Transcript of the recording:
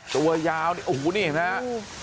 ตัวยาวนี่โอ้โหนี่เห็นมั้ย